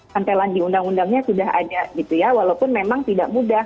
pantelan di undang undangnya sudah ada gitu ya walaupun memang tidak mudah